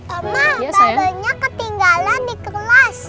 omah bubble nya ketinggalan di kelas